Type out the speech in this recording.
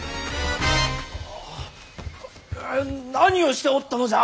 何をしておったのじゃ！